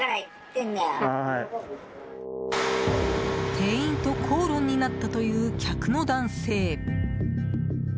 店員と口論になったという客の男性。